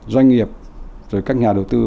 doanh nghiệp rồi các nhà đầu tư